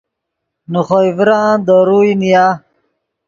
نے خوئے ڤران دے روئے نیا